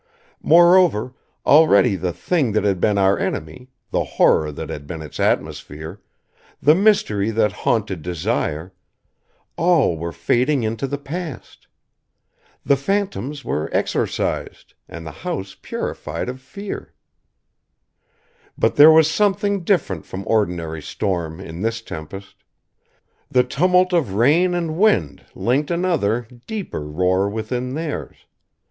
Moreover, already the Thing that had been our enemy, the horror that had been Its atmosphere, the mystery that haunted Desire all were fading into the past. The phantoms were exorcised, and the house purified of fear. But there was something different from ordinary storm in this tempest. The tumult of rain and wind linked another, deeper roar with theirs.